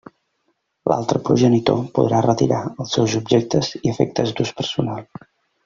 L'altre progenitor podrà retirar els seus objectes i efectes d'ús personal.